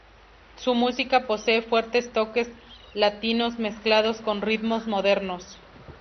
Su música posee fuertes toques latinos mezclados con ritmos modernos.